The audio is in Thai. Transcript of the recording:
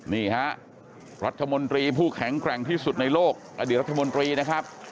นี่ฮะรัฐมนตรีผู้แข็งแกร่งที่สุดในโลกอดีตรัฐมนตรีนะครับ